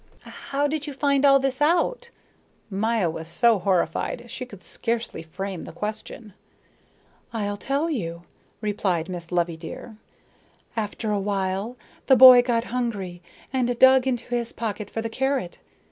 "How did you find all this out?" Maya was so horrified she could scarcely frame the question. "I'll tell you," replied Miss Loveydear. "After a while the boy got hungry and dug into his pocket for the carrot.